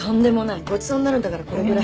ごちそうになるんだからこれぐらい。